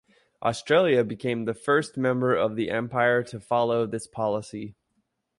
Australia became the first member of the Empire to follow this policy.